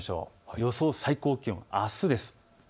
予想最高気温、あすです。